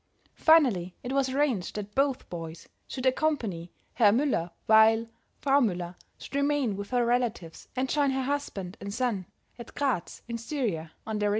Finally it was arranged that both boys should accompany Herr Müller, while Frau Müller should remain with her relatives and join her husband and son at Gratz in Styria, on their return.